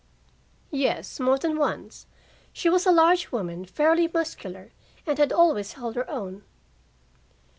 "Yes, more than once. She was a large woman, fairly muscular, and had always held her own."